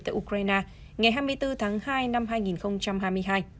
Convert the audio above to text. tại ukraine ngày hai mươi bốn tháng hai năm hai nghìn hai mươi hai